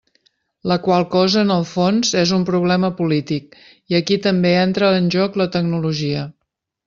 La qual cosa, en el fons, és un problema polític, i aquí també entra en joc la tecnologia.